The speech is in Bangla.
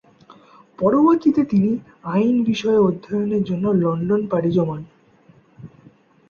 পরবর্তীতে তিনি আইন বিষয়ে অধ্যয়নের জন্য লন্ডন পাড়ি জমান।